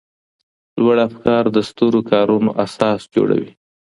لوړ افکار د سترو کارونو اساس جوړوي.